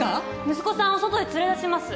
息子さんを外へ連れ出します。